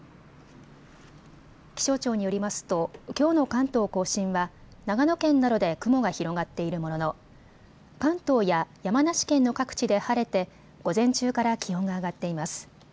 気象庁によりますときょうの関東甲信は長野県などで雲が広がっているものの関東や山梨県の各地で晴れて午前中から気温が上がっています。